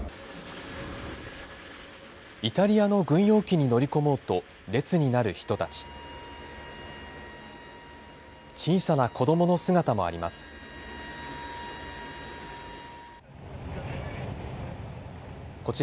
イタリアの軍用機に乗り込もうと列になる人たち。